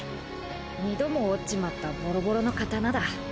二度も折っちまったボロボロの刀だ。